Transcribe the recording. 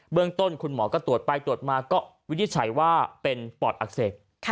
เรื่องต้นคุณหมอก็ตรวจไปตรวจมาก็วินิจฉัยว่าเป็นปอดอักเสบ